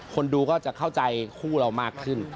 คนดูก็จะเข้าใจคู่เรามากขึ้น